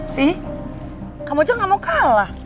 si kamu aja gak mau kalah